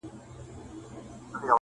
پلار له پوليسو سره ناست دی او مات ښکاري,